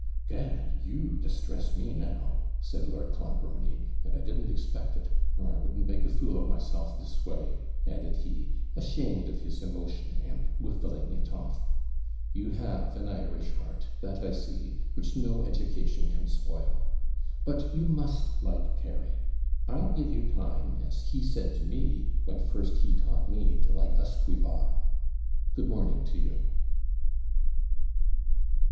'Gad! you distress me now!' said Lord Clonbrony, 'and I didn't expect it, or I wouldn't make a fool of myself this way,' added he, ashamed of his emotion, and whiffling it off. 'You have an Irish heart, that I see, which no education can spoil. But you must like Terry. I'll give you time, as he said to me, when first he taught me to like usquebaugh. Good morning to you!'